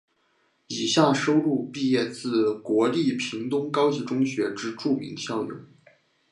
以下收录毕业自国立屏东高级中学之著名校友。